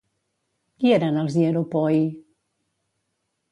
Qui eren els Hieropoii?